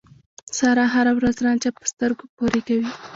سارا هر ورځ رانجه په سترګو پورې کوي.